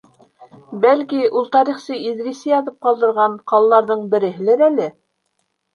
Бәлки, ул тарихсы Иҙриси яҙып ҡалдырған ҡалаларҙың береһелер әле?